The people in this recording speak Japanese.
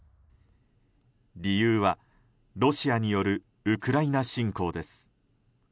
理由はロシアによるウクライナ侵攻です。